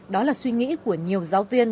đó là suy nghĩ của nhiều giáo viên